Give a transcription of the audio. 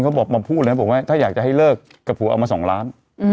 เขาบอกมาพูดแล้วบอกว่าถ้าอยากจะให้เลิกกับผัวเอามา๒ล้าน